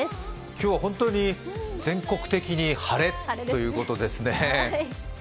今日は本当に全国的に晴れということですね。